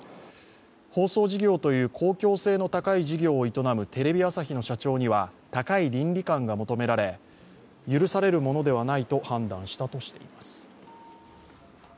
放送事業という公共性の高い事業を営むテレビ朝日の社長には高い倫理観が求められ、許されるものではないと判断したとしています。